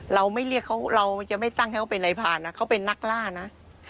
เราไม่เรียกเขาเราจะไม่ตั้งให้เขาเป็นอะไรผ่านนะเขาเป็นนักล่านะ